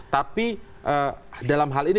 tapi dalam hal ini